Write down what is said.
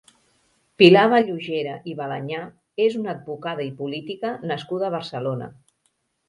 Pilar Vallugera i Balañà és una advocada i política nascuda a Barcelona.